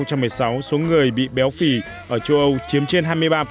năm hai nghìn một mươi sáu số người bị béo phì ở châu âu chiếm trên hai mươi ba